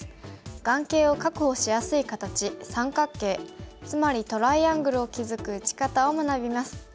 眼形を確保しやすい形三角形つまりトライアングルを築く打ち方を学びます。